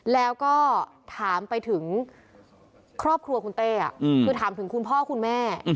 แล้วก็ถามไปถึงครอบครัวคุณเต้คือถามถึงคุณพ่อคุณแม่